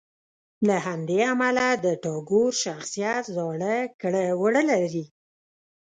له همدې امله د ټاګور شخصیت زاړه کړه وړه لري.